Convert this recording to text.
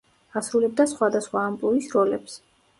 ასრულებდა სხვადასხვა ამპლუის როლებს.